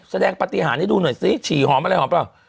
แสดงปฏิหารให้ดูหน่อยซิฉี่หอมอะไรหอมเปล่า